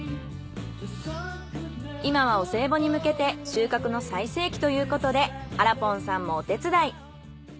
今はお歳暮に向けて収穫の最盛期ということであらぽんさんもお手伝い。